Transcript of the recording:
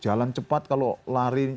jalan cepat kalau lari